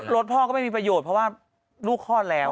รถพ่อก็ไม่มีประโยชน์เพราะว่าลูกคลอดแล้ว